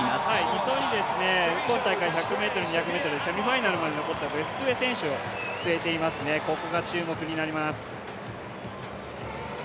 ２走に今大会、１００ｍ、２００ｍ、セミファイナルまで残ったベストゥエ選手をすえていますね、ここが注目になります。